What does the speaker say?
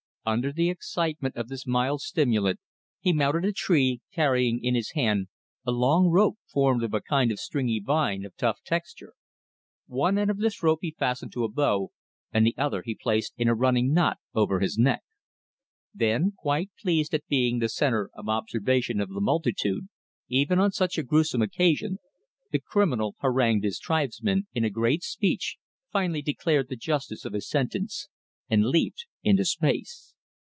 Under the excitement of this mild stimulant he mounted a tree, carrying in his hand a long rope formed of a kind of stringy vine of tough texture. One end of this rope he fastened to a bough, and the other he placed in a running knot over his neck. Then, quite pleased at being the centre of observation of the multitude, even on such a gruesome occasion, the criminal harangued his tribesmen in a great speech, finally declared the justice of his sentence, and leaped into space.